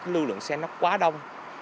lưu lượng xe nó quá đông